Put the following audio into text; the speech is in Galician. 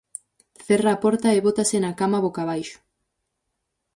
Cerra a porta e bótase na cama boca abaixo.